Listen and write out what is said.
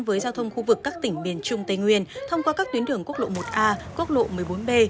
với giao thông khu vực các tỉnh miền trung tây nguyên thông qua các tuyến đường quốc lộ một a quốc lộ một mươi bốn b